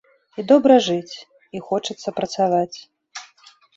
І добра жыць, і хочацца працаваць.